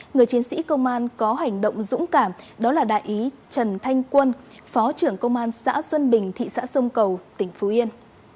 người chiến sĩ công an có hành động dũng cảm đó là đại úy trần thanh quân phó trưởng công an xã xuân bình thị xã sông cầu tỉnh phú yên